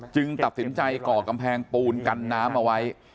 ตัดสินใจก่อกำแพงปูนกันน้ำเอาไว้